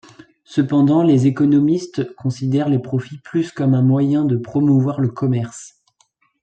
Cependant, les économistes considèrent les profits plus comme un moyen de promouvoir le commerce.